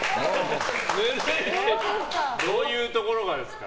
どういうところがですか？